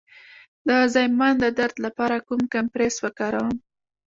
د زایمان د درد لپاره کوم کمپرس وکاروم؟